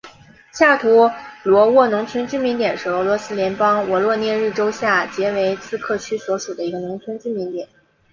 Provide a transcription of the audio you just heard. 下图罗沃农村居民点是俄罗斯联邦沃罗涅日州下杰维茨克区所属的一个农村居民点。